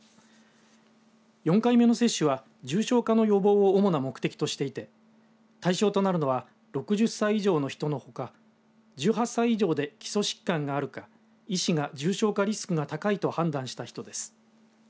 ４回目の接種は重症化の予防を主な目的としていて対象となるのは６０歳以上の人のほか１８歳以上で基礎疾患があるか医師が重症化リスクが高いと判断した人です。